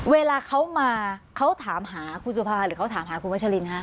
เวลาเขามาเขาถามหาคุณสุภาหรือเขาถามหาคุณวัชลินฮะ